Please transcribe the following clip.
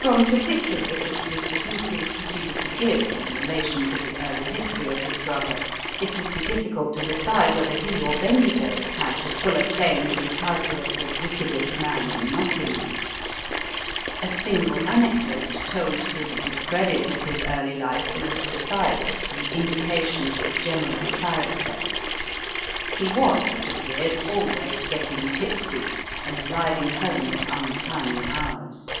From particulars which Mr. Dupee proceeded to give in relation to the early history of his brother, it would be difficult to decide whether he or Bendigo had the fuller claim to the title of the "wickedest man in Nottingham." A single anecdote told to the discredit of his early life must suffice in indication of its general character. He was, it appeared, always getting tipsy and arriving home at untimely hours.